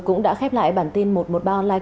cũng đã khép lại bản tin một trăm một mươi ba online